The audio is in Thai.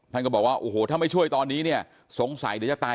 ท่านก็บอกว่าโอ้โหถ้าไม่ช่วยตอนนี้เนี่ยสงสัยเดี๋ยวจะตาย